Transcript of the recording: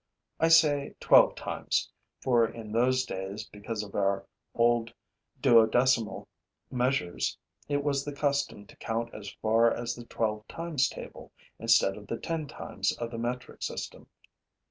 I say twelve times, for in those days, because of our old duodecimal measures, it was the custom to count as far as the twelve times table, instead of the ten times of the metric system.